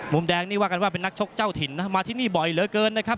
มุมแดงนี่ว่ากันว่าเป็นนักชกเจ้าถิ่นนะมาที่นี่บ่อยเหลือเกินนะครับ